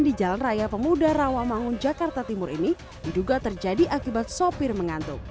di jalan raya pemuda rawamangun jakarta timur ini diduga terjadi akibat sopir mengantuk